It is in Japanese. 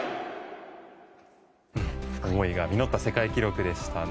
思いが実った世界記録ですね。